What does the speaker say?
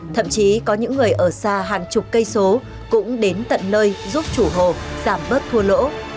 thậm chí có những người ở xa hàng chục cây số cũng đến tận nơi giúp chủ hồ giảm bớt thua lỗ